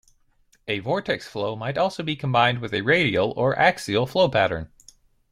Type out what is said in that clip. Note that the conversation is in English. A vortex flow might also be combined with a radial or axial flow pattern.